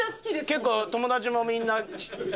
結構友達もみんなギャル。